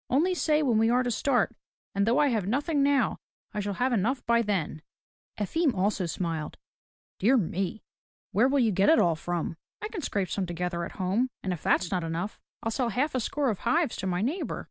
Only say when we are to start, and though I have nothing now, I shall have enough by then." Efim also smiled. "Dear me ! Where will you get it all from?" " I can scrape some together at home, and if that's not enough, I'll sell half a score of hives to my neighbor."